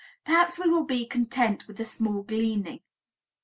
Perhaps we will be content with a small gleaning.